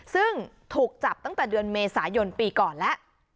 ซึ่งถูกจับตั้งแต่เดือนเมษายนปีก่อนแล้ว